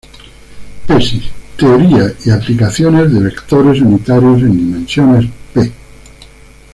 Tesis "Teoría y aplicaciones de Vectores unitarios en dimensiones P".